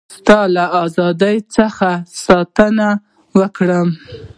ستاسي له ازادی څخه ساتنه وکړم.